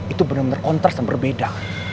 itu bener bener kontras dan berbeda